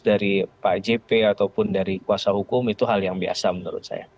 dari pak jp ataupun dari kuasa hukum itu hal yang biasa menurut saya